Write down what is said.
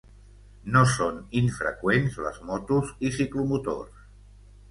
No són infreqüents les motos i ciclomotors.